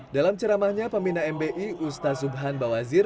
dalam ceramahnya pembina mbi ustaz subhan bawazir